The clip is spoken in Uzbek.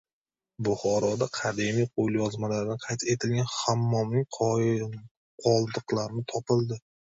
Buxoroda qadimiy qo‘lyozmalarda qayd etilgan hammomning qoldiqlari topildi